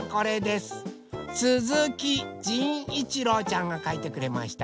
すずきじんいちろうちゃんがかいてくれました。